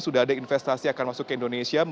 sudah ada investasi akan masuk ke indonesia